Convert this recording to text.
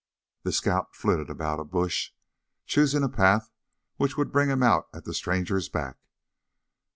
The scout flitted about a bush, choosing a path which would bring him out at the stranger's back.